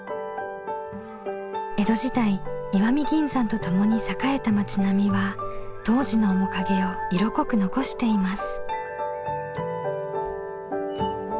江戸時代石見銀山とともに栄えた町並みは当時の面影を色濃く残しています。